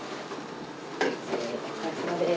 お疲れさまです。